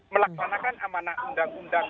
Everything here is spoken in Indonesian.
melaksanakan amanah undang undang